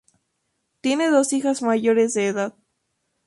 Tiene dos hijas mayores de edad.